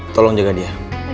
tolong jaga dia